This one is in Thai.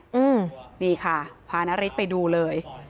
ค่ะนี่ค่ะพานนะฤทธิ์ไปดูเลย